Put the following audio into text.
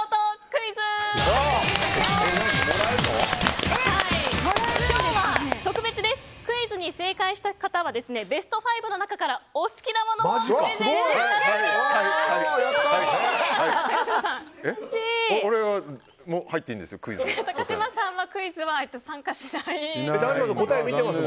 クイズに正解した方はベスト５の中からお好きなものをプレゼント致します。